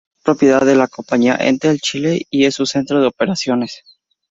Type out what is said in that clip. Es propiedad de la compañía Entel Chile y es su centro de operaciones.